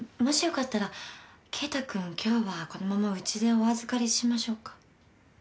もしよかったら圭太君今日はこのままうちでお預かりしましょうか？